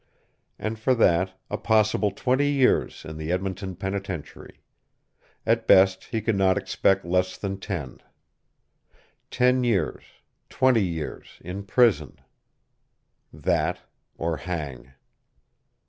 And for that, a possible twenty years in the Edmonton penitentiary! At best he could not expect less than ten. Ten years twenty years in prison! That, or hang.